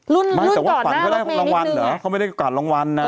รุ่นรุ่นก่อนหน้ารถเมย์นิดหนึ่งไม่แต่ว่าฝังเขาได้รางวัลเหรอเขาไม่ได้ก่อนรางวัลน่ะ